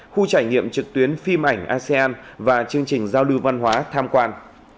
khu trải nghiệm trực tuyến phim ảnh asean và chương trình giao lưu văn hóa tham quan